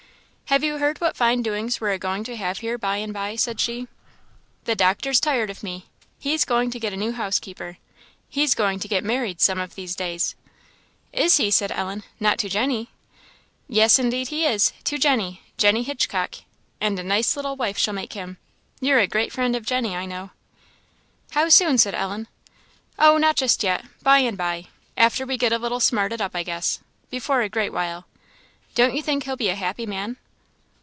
"Have you heard what fine doings we're a going to have here by and by?" said she. "The doctor's tired of me; he's going to get a new housekeeper; he's going to get married some of these days." "Is he?" said Ellen. "Not to Jenny?" "Yes, indeed he is to Jenny Jenny Hitchcock; and a nice little wife she'll make him. You're a great friend of Jenny, I know." "How soon?" said Ellen. "Oh, not just yet by and by after we get a little smarted up, I guess; before a great while. Don't you think he'll be a happy man?"